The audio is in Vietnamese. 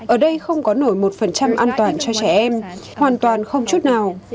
ở đây không có nổi một an toàn cho trẻ em hoàn toàn không chút nào